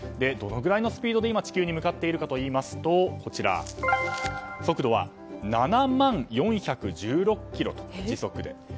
どのくらいのスピードで今、地球に向かっているかといいますと速度は７万４１６キロと、時速で。